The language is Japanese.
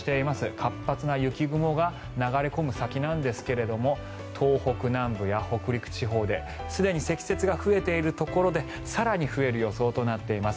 活発な雪雲が流れ込む先なんですけども東北南部や北陸地方ですでに積雪が増えているところで更に増える予想となっています。